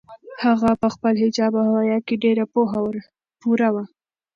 هغه په خپل حجاب او حیا کې ډېره پوره وه.